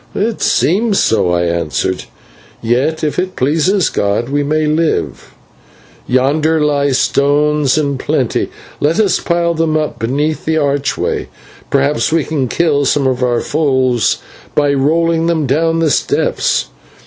"It seems so," I answered, "yet if it pleases God we may live. Yonder lie stones in plenty; let us pile them up beneath the archway, perhaps we can kill some of our foes by rolling them down the steps."